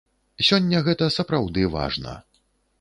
Сёння гэта сапраўды важна.